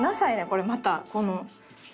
これまたこの。